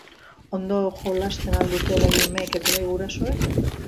Ondo jolasten al dute bai umeek eta bai gurasoek?